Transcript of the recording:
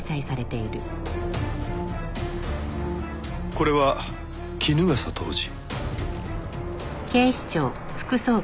これは衣笠藤治。